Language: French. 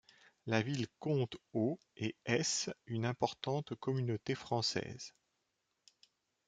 La ville compte aux et s une importante communauté française.